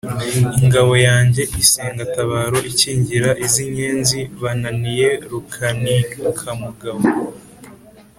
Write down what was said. ingabo yanjye isengatabaro ikingira iz’inkenzi bananiye Rukanikamugabo